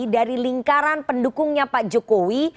dari lingkaran pendukungnya pak jokowi